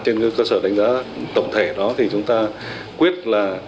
trên cơ sở đánh giá tổng thể đó thì chúng ta quyết là